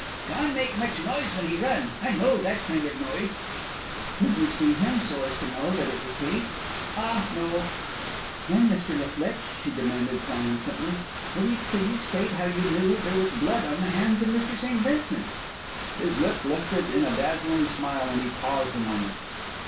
"John make much noise when he run. I know that kind of noise." "Could you see him so as to know that it was he?" "Ah, no." "Then, Mr. La Flitche," she demanded, triumphantly, "will you please state how you knew there was blood on the hands of Mr. St. Vincent?" His lip lifted in a dazzling smile, and he paused a moment.